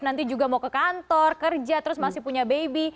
nanti juga mau ke kantor kerja terus masih punya baby